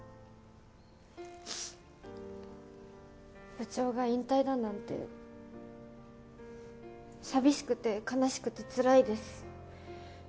部長が引退だなんて寂しくて悲しくてつらいです。